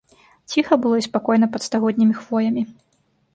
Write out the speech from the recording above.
Ціха было і спакойна пад стагоднімі хвоямі.